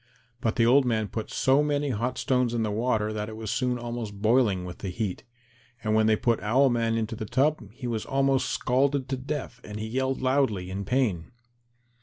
But the old man put so many hot stones in the water that it was soon almost boiling with the heat, and when they put Owl man into the tub he was almost scalded to death and he yelled loudly in pain.